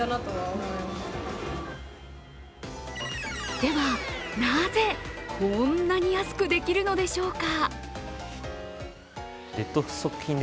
では、なぜこんなに安くできるのでしょうか？